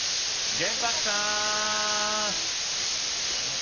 玄白さん！